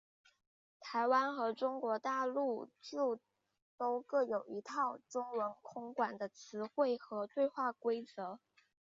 台湾和中国大陆就都各有一套中文空管的词汇和对话规则。